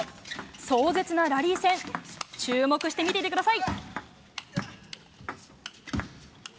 壮絶なラリー戦注目して見ていてください！